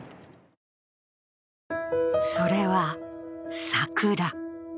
それは桜。